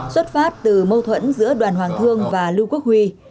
xuất phát từ mâu thuẫn giữa đoàn hoàng thương và lưu quốc huy